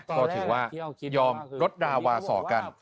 ก็ถือว่ายอมลดดาวาสอกัน